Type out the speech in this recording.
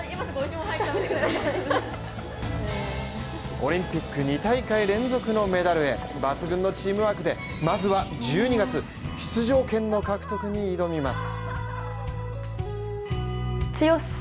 オリンピック２大会連続のメダルへ、抜群のチームワークで、まずは１２月出場権の獲得に挑みます。